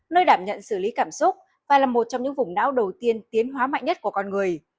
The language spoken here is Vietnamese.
nơi đảm nhận xử lý cảm xúc và là một trong những vùng não đầu tiên tiến hóa mạnh nhất của con người